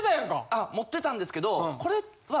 あ持ってたんですけどこれは。